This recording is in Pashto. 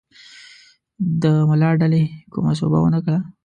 د ملا ډلې کومه سوبه ونه کړه.